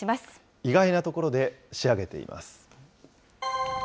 意外なところで仕上げています。